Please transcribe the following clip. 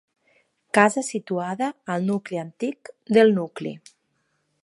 Casa situada al nucli antic del nucli.